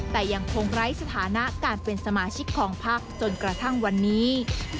แต่ยังคงไร้สถานะการเป็นสมาชิกของพักจนกระทั่งวันนี้